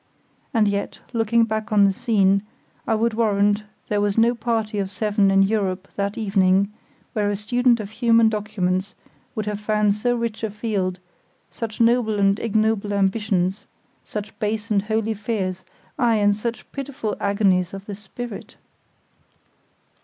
And yet, looking back on the scene, I would warrant there was no party of seven in Europe that evening where a student of human documents would have found so rich a field, such noble and ignoble ambitions, such base and holy fears, aye, and such pitiful agonies of the spirit.